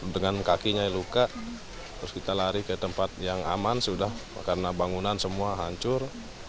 dengan kakinya luka terus kita lari ke tempat yang aman sudah karena bangunan semua hancur